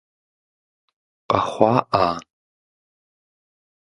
Къэхъуа ӏа?